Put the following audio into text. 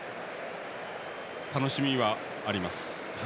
楽しみはあります。